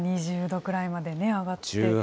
２０度ぐらいまでね、上がって。